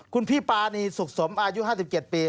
คุณพี่ปานีสุขสมอายุ๕๗ปี